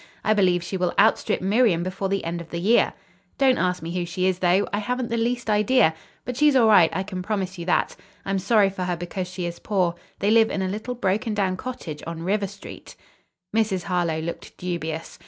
I believe she will outstrip Miriam before the end of the year. Don't ask me who she is, though. I haven't the least idea, but she's all right, I can promise you that. I'm sorry for her because she is poor. They live in a little broken down cottage on River Street." Mrs. Harlowe looked dubious.